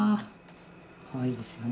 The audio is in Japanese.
かわいいですよね。